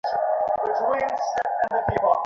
আমি শান্ত, দীপ্যমান, পরিবর্তন-রহিত।